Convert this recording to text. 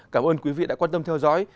cảm ơn quý vị đã quan tâm theo dõi